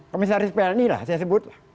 komisaris plni lah saya sebut